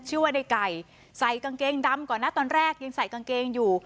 ชื่อว่าในไก่ใส่กางเกงดำก่อนนะตอนแรกยังใส่กางเกงอยู่